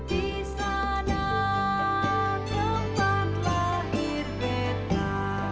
disana tempat lahir beta